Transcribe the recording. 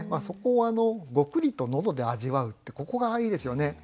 そこを「ごくりと喉で味わう」ってここがいいですよね。